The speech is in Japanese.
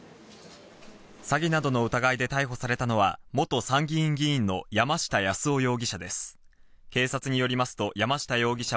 詐欺などの疑いで逮捕されたのは元参議院議員の山下八洲夫容疑者です。